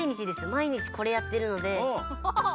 毎日これやってるので。